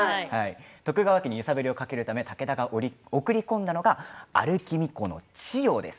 徳川家に揺さぶりをかけるために武田が送り込んだのが歩きみこの千代です。